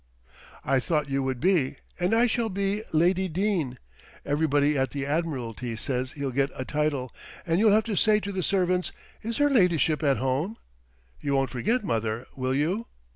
"I thought you would be, and I shall be Lady Dene. Everybody at the Admiralty says he'll get a title, and you'll have to say to the servants, 'Is her ladyship at home?' You won't forget, mother, will you?"